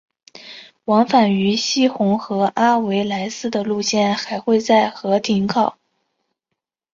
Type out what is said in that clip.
往返于希洪和阿维莱斯的线路还会在和停靠。